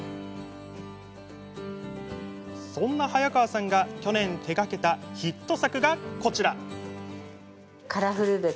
そんな早川さんが去年、手がけたヒット作がこちら。